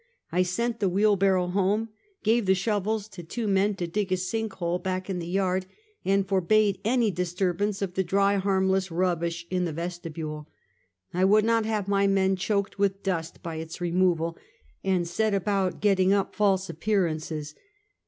I sent the wheel barrow home, gave the shovels to two men to dig a sink hole back in the yard, and forbade any disturbance of the dry, harmless rubbish in the vestibule. I would not have my men choked with dust by its removal, and set about getting up false appearances.